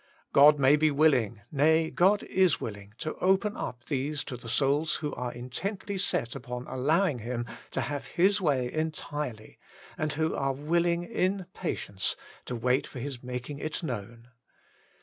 God may be willing, nay, God is willing to open up these to the souls who are intently set upon allowing Him to have His way entirely, and who are willing in patience to wait for His making it known.